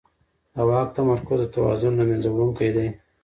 د واک تمرکز د توازن له منځه وړونکی دی